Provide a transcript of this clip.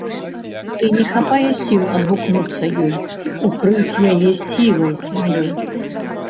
Ды не хапае сіл адгукнуцца ёй, укрыць яе сілай сваёй.